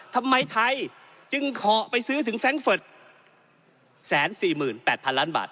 ทำไมไทยจึงห่อไปซื้อถึงแฟรงเฟิร์ตแสนสี่หมื่นแปดพันล้านบาท